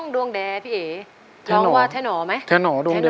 ดวงแดพี่เอ๋ร้องว่าแทนอไหมแทนอดวงแด